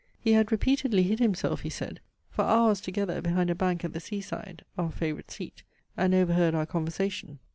He had repeatedly hid himself, he said, for hours together behind a bank at the sea side, (our favourite seat,) and overheard our conversation.